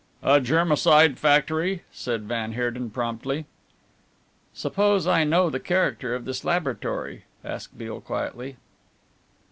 "A germicide factory," said van Heerden promptly. "Suppose I know the character of this laboratory?" asked Beale quietly.